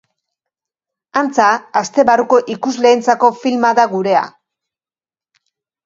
Antza, aste barruko ikusleentzako filma da gurea.